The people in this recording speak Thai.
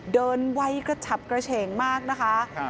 เดินไว้กระชับกระเฉงมากนะคะ